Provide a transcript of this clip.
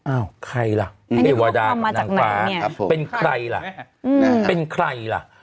อ้าวใครล่ะเทวดากับนางฟ้าเป็นใครล่ะเป็นใครล่ะ